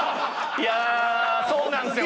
いやそうなんですよ